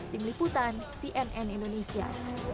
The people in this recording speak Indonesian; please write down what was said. tim liputan cnn indonesia